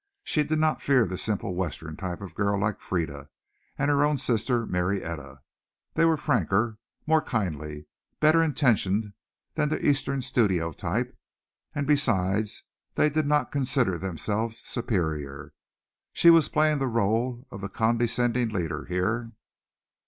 She did not fear the simple Western type of girl like Frieda and her own sister Marietta. They were franker, more kindly, better intentioned than the Eastern studio type, and besides they did not consider themselves superior. She was playing the rôle of the condescending leader here.